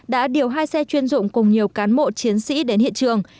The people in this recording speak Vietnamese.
đã điều hai xe chuyên dụng cùng nhiều cán bộ chiến sĩ đến hiện trường